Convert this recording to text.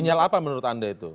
sinyal apa menurut anda itu